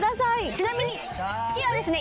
ちなみに月はですね